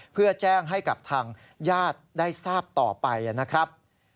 เพื่อแจ้งให้กับทางญาติได้ทราบต่อไปนะครับ